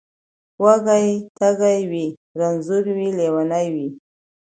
وږی تږی وي رنځور وي لېونی وي